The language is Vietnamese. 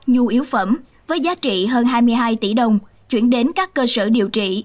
nhu yếu phẩm với giá trị hơn hai mươi hai tỷ đồng chuyển đến các cơ sở điều trị